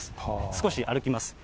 少し歩きます。